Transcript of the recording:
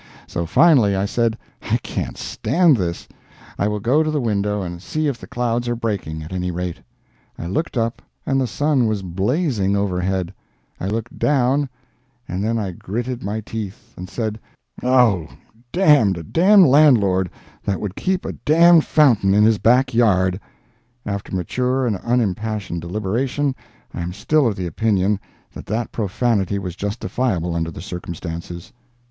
So, finally, I said: I can't stand this; I will go to the window and see if the clouds are breaking, at any rate. I looked up, and the sun was blazing overhead. I looked down—and then I "gritted my teeth" and said: "Oh, d__n a d __d landlord that would keep a d__d fountain in his back yard!" After mature and unimpassioned deliberation, I am still of the opinion that that profanity was justifiable under the circumstances.